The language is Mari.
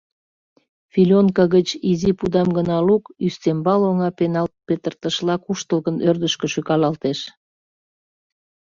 Филёнка гыч изи пудам гына лук — ӱстембал оҥа пенал петыртышла куштылгын ӧрдыжкӧ шӱкалалтеш.